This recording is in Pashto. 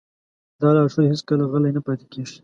دا لارښود هېڅکله غلی نه پاتې کېږي.